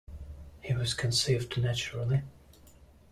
He was conceived naturally.